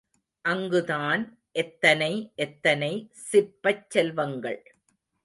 அங்குதான் எத்தனை எத்தனை சிற்பச் செல்வங்கள்.